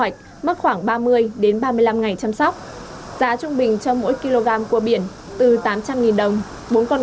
thức khoảng ba mươi đến ba mươi năm ngày chăm sóc giá trung bình cho mỗi kg cua biển từ tám trăm linh đồng bốn con